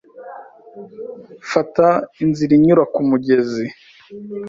Fata inzira inyura kumugezi.